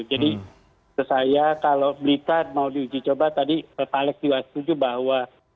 jadi itu saya kalau berita mau diuji coba tadi pak alex juga setuju bahwa